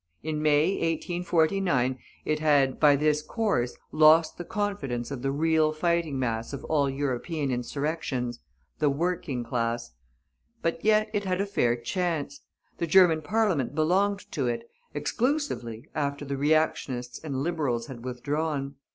In May, 1849, it had, by this course, lost the confidence of the real fighting mass of all European insurrections, the working class. But yet, it had a fair chance. The German Parliament belonged to it, exclusively, after the Reactionists and Liberals had withdrawn.